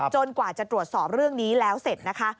กว่าจะตรวจสอบเรื่องนี้แล้วเสร็จนะคะ